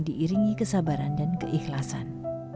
diiringi kesabaran dan keikhlasan